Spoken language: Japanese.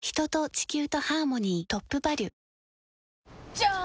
じゃーん！